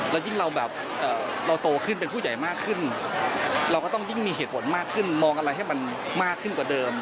แล้วยิ่งเราแบบเราโตขึ้นเป็นผู้ใหญ่มากขึ้นเราก็ต้องยิ่งมีเหตุผลมากขึ้นมองอะไรให้มันมากขึ้นกว่าเดิม